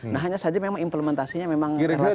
nah hanya saja memang implementasinya memang relatif